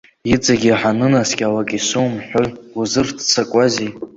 Иҵегьы ҳанынаскьалак исоумҳәои, узырццакуазеи!